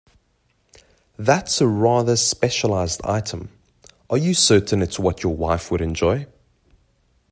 That's a rather specialised item, are you certain it's what your wife would enjoy?